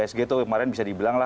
sg itu kemarin bisa dibilang